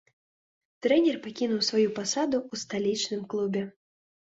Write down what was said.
Трэнер пакінуў сваю пасаду ў сталічным клубе.